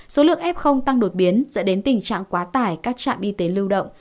số lượng f tăng đột biến dẫn đến tình trạng quá tải các trạm y tế lưu động